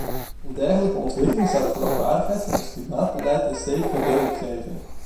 Een dergelijke ontwikkeling zou de geloofwaardigheid van ons klimaatbeleid een stevige deuk geven.